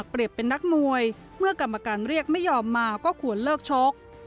เป็นนักมวยเมื่อกรรมการเรียกไม่ยอมมาก็ควรเลิกชก